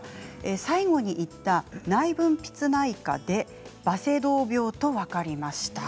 最後に行った内分泌内科でバセドウ病と分かりました。